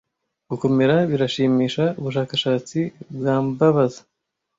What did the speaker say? gukomera birashimisha ubushakashatsi bwambabaza